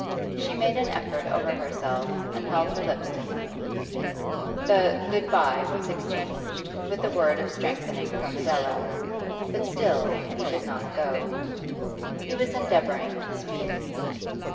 She made an effort over herself and held her lips to him. The 'good bye' was exchanged, with a word of strengthening from Adela; but still he did not go. He was endeavouring to speak.